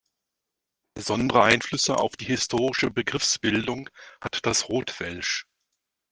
Besondere Einflüsse auf die historische Begriffsbildung hat das Rotwelsch.